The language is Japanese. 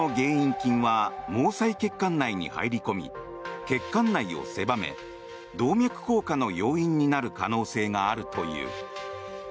菌は毛細血管内に入り込み血管内を狭め動脈硬化の要因になる可能性があるという。